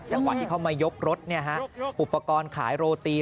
จังหวะที่เขามายกรถเนี่ยฮะอุปกรณ์ขายโรตี